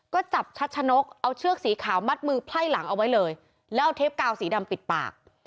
ก็จับชัดชะนกเอาเชือกสีขาวมัดมือไพ่หลังเอาไว้เลยแล้วเอาเทปกาวสีดำปิดปาก